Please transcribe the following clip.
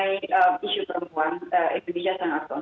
posisi mengenai isu perempuan indonesia sangat konsisten